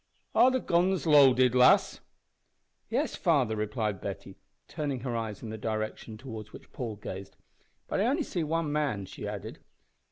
"Are the guns loaded, lass?" "Yes, father," replied Betty, turning her eyes in the direction towards which Paul gazed. "But I see only one man," she added.